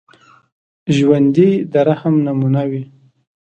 ژوندي د رحم نمونه وي